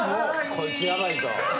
こいつヤバいぞ。